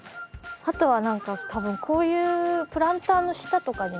あとは何かたぶんこういうプランターの下とかにも。